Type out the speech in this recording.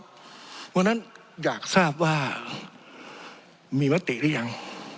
เพราะฉะนั้นอยากทราบว่ามีมติหรือยัง